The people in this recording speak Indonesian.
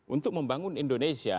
untuk membangun indonesia